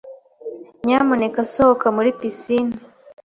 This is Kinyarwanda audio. Nyamuneka sohoka muri pisine.